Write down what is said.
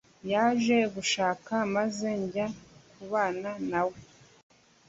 Yaje gushaka maze njya kubana na we